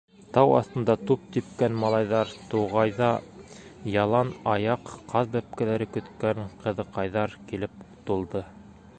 Тау аҫтында туп типкән малайҙар, туғайҙа ялан аяҡ ҡаҙ бәпкәләре көткән ҡыҙыҡайҙар килеп тулды.